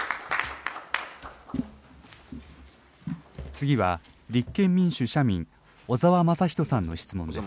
次は、立憲民主・社民、小沢雅仁さんの質問です。